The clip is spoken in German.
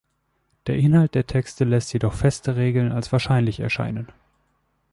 Der Inhalt der Texte lässt jedoch feste Regeln als wahrscheinlich erscheinen.